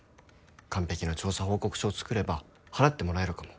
完璧な調査報告書を作れば払ってもらえるかも。